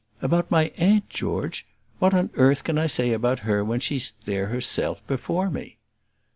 "Abut my aunt, George? What on earth can I say about her when she's there herself before me?"